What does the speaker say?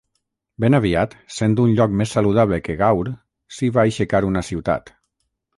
Ben aviat, sent un lloc més saludable que Gaur, s'hi va aixecar una ciutat.